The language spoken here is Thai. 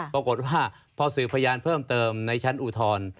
ปรากฏว่าพอสืบพยานเพิ่มเติมในชั้นอุทธรณ์